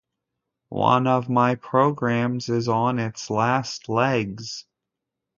One of my programs is on its last legs.